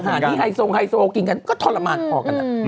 ที่ไฮโซงไฮโซกินกันก็ทรมานพอกัน